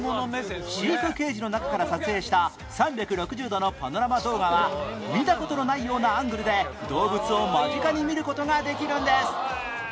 飼育ケージの中から撮影した３６０度のパノラマ動画は見た事のないようなアングルで動物を間近に見る事ができるんです